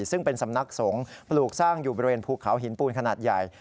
ซึ่งเป็นสำนักสงฆ์ปลูกสร้างอยู่บริเวณภูเขาหินปูนขนาดใหญ่